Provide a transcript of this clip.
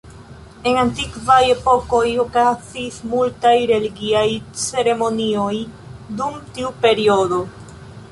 En antikvaj epokoj, okazis multaj religiaj ceremonioj dum tiu periodo.